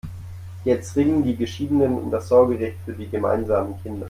Jetzt ringen die Geschiedenen um das Sorgerecht für die gemeinsamen Kinder.